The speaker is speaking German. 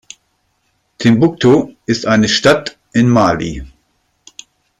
Timbuktu ist eine Stadt in Mali.